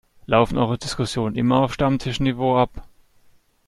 Laufen eure Diskussionen immer auf Stammtischniveau ab?